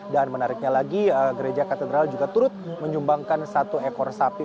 dan menariknya lagi gereja katedral juga turut menyumbangkan satu ekor sapi